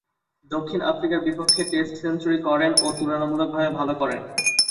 দক্ষিণ আফ্রিকার বিপক্ষে টেস্ট সেঞ্চুরি করেন ও তুলনামূলকভাবে ভালো করেন।